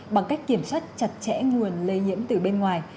bằng cách kiểm soát chặt chẽ nguồn lây nhiễm từ bên ngoài